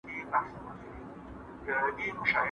¬ لږ به خورم ارام به اوسم.